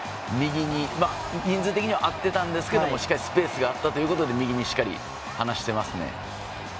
人数的には合ってたんですけどしっかりスペースがあったということで、しっかり右に離してますね。